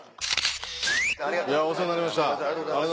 お世話になりました。